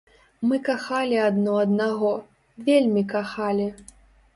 Мы кахалі адно аднаго, вельмі кахалі.